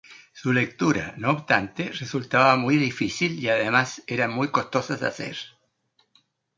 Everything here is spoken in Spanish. Su lectura, no obstante, resultaba muy difícil y además eran muy costosas de hacer.